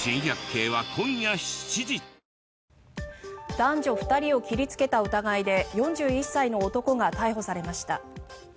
男女２人を切りつけた疑いで４１歳の男が逮捕されました。